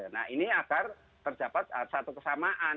nah ini agar terdapat satu kesamaan